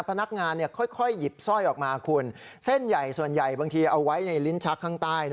พนักงานค่อยหยิบสร้อยออกมาคุณเส้นใหญ่ส่วนใหญ่บางทีเอาไว้ในลิ้นชักข้างใต้